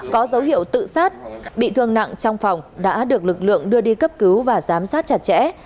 có dấu hiệu tự sát bị thương nặng trong phòng đã được lực lượng đưa đi cấp cứu và giám sát chặt chẽ